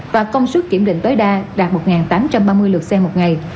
và công sức kiểm định tối đa đạt một tám trăm ba mươi lượt xe một ngày